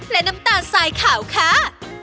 และน้ำตาลสายขาวค้า